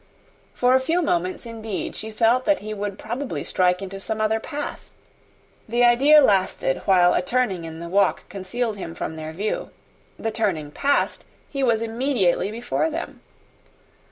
For a few moments, indeed, she felt that he would probably strike into some other path. The idea lasted while a turning in the walk concealed him from their view; the turning past, he was immediately before them.